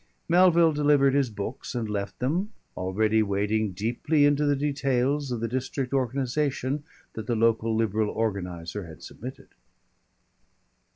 Melville delivered his books and left them already wading deeply into the details of the district organisation that the local Liberal organiser had submitted.